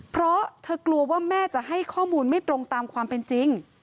เพราะเธอกลัวว่าแม่จะให้ข้อมูลไม่ตรงตามความเป็นจริง